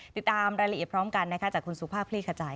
ติดตามรายละเอียดพร้อมกันนะคะจากคุณสุภาพคลี่ขจาย